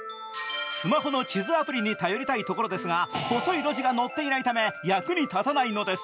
スマホの地図アプリに頼りたいところですが細い路地が載っていないため役に立たないのです。